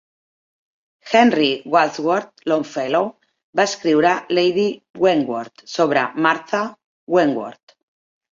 Henry Wadsworth Longfellow va escriure "Lady Wentworth" sobre Martha Wentworth.